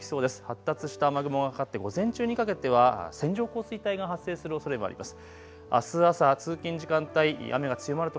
発達した雨雲がかかって午前中にかけては線状降水帯が発生するおそれもあります。